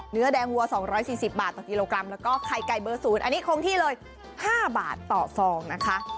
เนื้อแดงวัว๒๔๐บาทต่อกิโลกรัมแล้วก็ไข่ไก่เบอร์๐อันนี้คงที่เลย๕บาทต่อฟองนะคะ